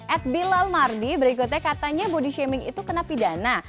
ad bilal mardi berikutnya katanya body shaming itu kena pidana